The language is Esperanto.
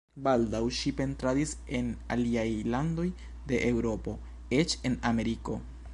Baldaŭ ŝi pentradis en aliaj landoj de Eŭropo, eĉ en Ameriko.